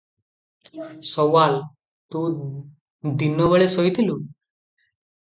ସୱାଲ - ତୁ ଦିନବେଳେ ଶୋଇଥିଲୁ?